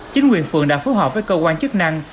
chính quyền phường đã phối hợp với cơ quan chức năng